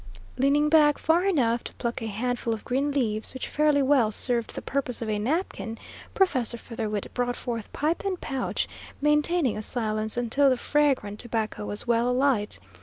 Leaning back far enough to pluck a handful of green leaves, which fairly well served the purpose of a napkin, Professor Featherwit brought forth pipe and pouch, maintaining silence until the fragrant tobacco was well alight.